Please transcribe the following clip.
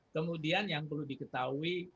kemudian yang perlu diketahui